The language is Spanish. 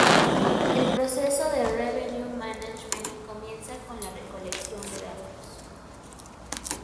El proceso de Revenue Management comienza con la recolección de datos.